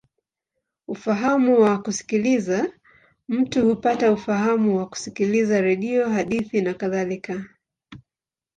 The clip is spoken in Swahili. Ufahamu wa kusikiliza: mtu hupata ufahamu kwa kusikiliza redio, hadithi, nakadhalika.